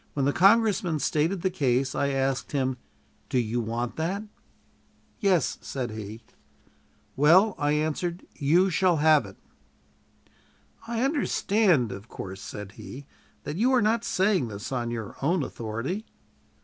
When the congressman stated the case, I asked him, "Do you want that?" "Yes," said he. "Well," I answered, "you shall have it." "I understand, of course," said he, "that you are not saying this on your own authority?"